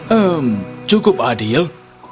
hmm cukup adil